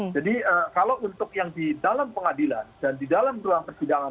jadi kalau untuk yang di dalam pengadilan dan di dalam ruang persidangan